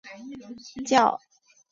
较著名的影片系列为都市传说系列。